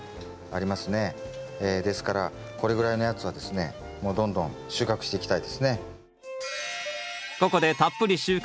ですからこれぐらいのやつはですねもうどんどん収穫していきたいですね。